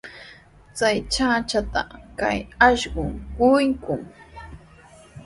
Chay chachata kay akshun quykuy.